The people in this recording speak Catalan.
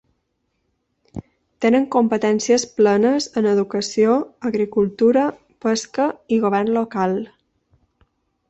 Tenen competències plenes en educació, agricultura, pesca i govern local.